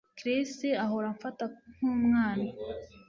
Chris ahora amfata nkumwana